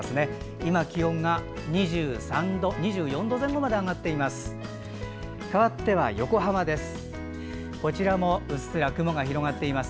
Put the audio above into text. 今、気温が２４度前後まで上がっています。